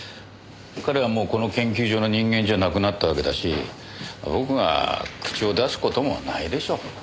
彼はもうこの研究所の人間じゃなくなったわけだし僕が口を出す事もないでしょ。